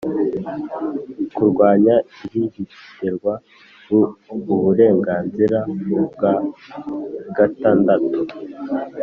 Kurwanya ihihiterwa ru uburenganzira bwa gatandatu